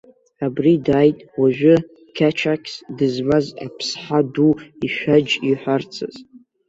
Абри дааит уажәы қьачақьс дызмаз аԥсҳа ду ишәаџь иҳәарцаз!